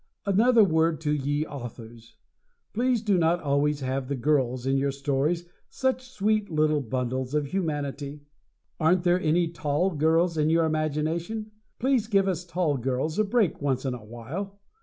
Another word to ye Authors: Please do not always have the girls in your stories such sweet little bundles of humanity. Aren't there any tall girls in your imaginations? Please give us tall girls a break once in a while.